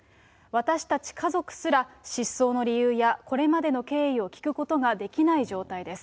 私たち家族すら失踪の理由やこれまでの経緯を聞くことができない状態です。